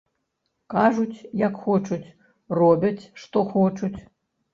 Кажуць як хочуць, робяць што хочуць.